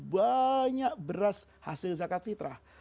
banyak beras hasil zakat fitrah